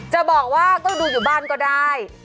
จะบอกว่าก็ดูอยู่บ้านก็ได้